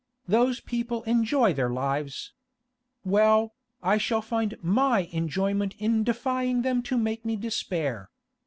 Those people enjoy their lives. Well, I shall find my enjoyment in defying them to make me despair!